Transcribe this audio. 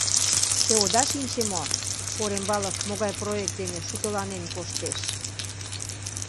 Те ода шинче мо — Корембалов могай проект дене шутыланен коштеш?